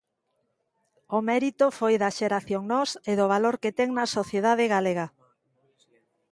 O mérito foi da Xeración Nós e do valor que ten na sociedade galega.